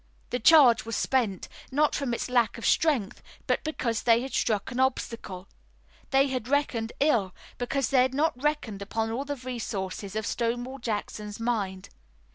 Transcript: The charge was spent, not from its lack of strength but because they had struck an obstacle. They had reckoned ill, because they had not reckoned upon all the resources of Stonewall Jackson's mind.